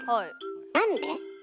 なんで？